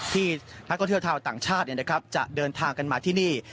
ที่นักท่องเที่ยวชาวต่างชาติจะเดินทางกันมาที่นี่